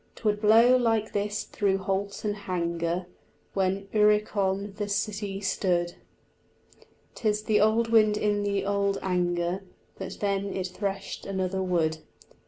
'Twould blow like this through holt and hanger When Uricon the city stood: 'Tis the old wind in the old anger, But then it threshed another wood.